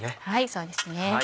そうですね。